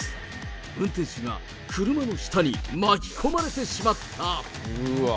運転手が車の下に巻き込まれてしまった。